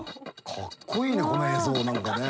かっこいいねこの映像何かね。